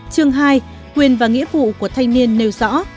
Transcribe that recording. chương hai quyền và nghĩa vụ của thanh niên nêu rõ